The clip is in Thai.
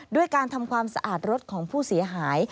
ด้วยการทำความสะอาดรถของผู้เสียหาย